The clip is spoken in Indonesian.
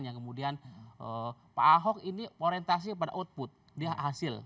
yang kemudian pak ahok ini orientasi pada output dia hasil